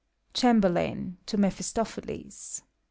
CHAMBERLAIN {tO MePHISTOPHELES).